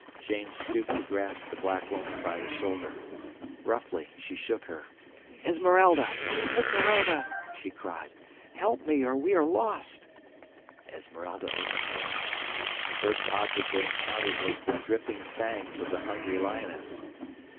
Jane stooped to grasp the black woman by the shoulder. Roughly she shook her. "Esmeralda! Esmeralda!" she cried. "Help me, or we are lost." Esmeralda opened her eyes. The first object they encountered was the dripping fangs of the hungry lioness.